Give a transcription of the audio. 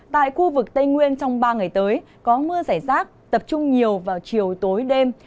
tại khu vực tây nguyên trong ba ngày tới có mưa rải rác tập trung nhiều vào chiều tối đêm